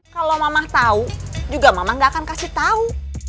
kalo mama tau juga mama gak akan kasih tau